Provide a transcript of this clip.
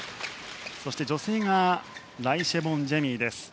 そして女性がライ・シェボン・ジェミーです。